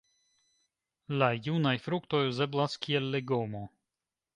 La junaj fruktoj uzeblas kiel legomo.